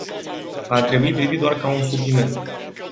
Ar trebui privit doar ca un supliment.